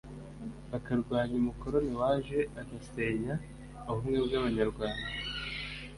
bakarwanya umukoloni waje agasenya ubumwe bw’Abanyarwanda